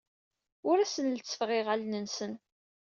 Ur asen-lettfeɣ iɣallen-nsen.